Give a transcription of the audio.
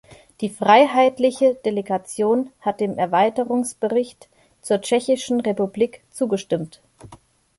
Die Freiheitliche Delegation hat dem Erweiterungsbericht zur Tschechischen Republik zugestimmt.